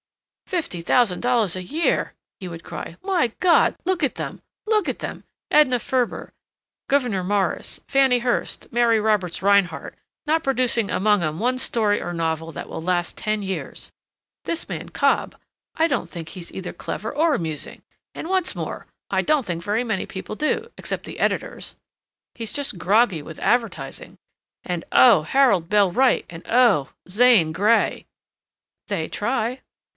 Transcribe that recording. "Fifty thousand dollars a year," he would cry. "My God! Look at them, look at them—Edna Ferber, Gouverneur Morris, Fanny Hurst, Mary Roberts Rinehart—not producing among 'em one story or novel that will last ten years. This man Cobb—I don't tink he's either clever or amusing—and what's more, I don't think very many people do, except the editors. He's just groggy with advertising. And—oh Harold Bell Wright oh Zane Grey—" "They try."